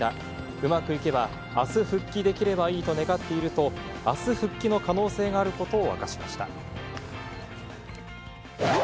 うまくいけば、あす復帰できればいいと願っていると、あす復帰の可能性があることを明かしました。